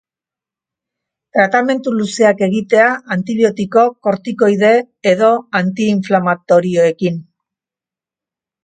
Tratamendu luzeak egitea antibiotiko, kortikoide edo anti-inflamatorioekin.